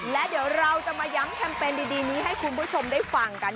และเดี๋ยวเราจะมาย้ำแคมเปญดีนี้ให้คุณผู้ชมได้ฟังกัน